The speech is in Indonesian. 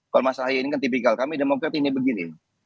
kalau mas ahaya ini kan tipikal kami demokrasinya begini